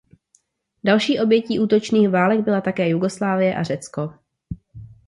Další obětí útočných válek byla také Jugoslávie a Řecko.